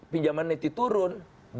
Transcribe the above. pinjaman neti turun